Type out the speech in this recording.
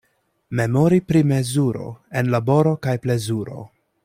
Memori pri mezuro en laboro kaj plezuro.